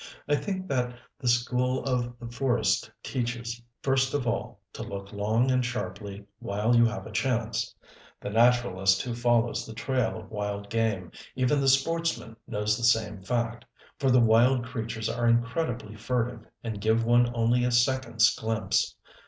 I think that the school of the forest teaches, first of all, to look long and sharply while you have a chance. The naturalist who follows the trail of wild game, even the sportsman knows this same fact for the wild creatures are incredibly furtive and give one only a second's glimpse.